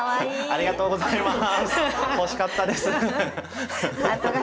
ありがとうございます。